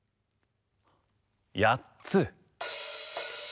やっつ。